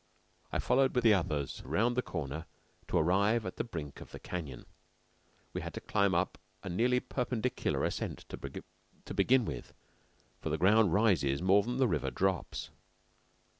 I followed with the others round the corner to arrive at the brink of the canyon. We had to climb up a nearly perpendicular ascent to begin with, for the ground rises more than the river drops.